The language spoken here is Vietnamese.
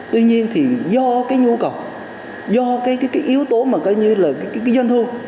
tuy nhiên thì do cái nhu cầu do cái yếu tố mà coi như là cái doanh thu